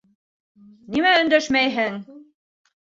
Нимә өндәшмәйһең?